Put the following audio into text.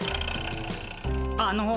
あの。